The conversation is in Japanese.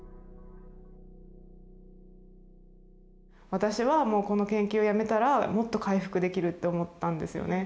私はもうこの研究をやめたらもっと回復できるって思ったんですよね。